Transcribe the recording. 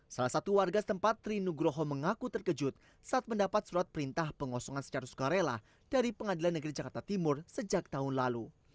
salah satu warga setempat tri nugroho mengaku terkejut saat mendapat surat perintah pengosongan secara sukarela dari pengadilan negeri jakarta timur sejak tahun lalu